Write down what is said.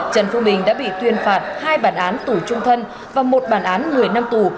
trần phương bình đã bị tuyên phạt hai bản án tù trung thân và một bản án người nâm tù